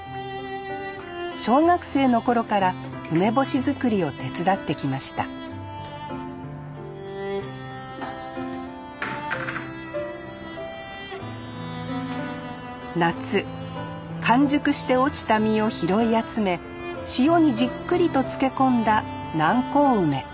小学生の頃から梅干し作りを手伝ってきました夏完熟して落ちた実を拾い集め塩にじっくりと漬け込んだ南高梅。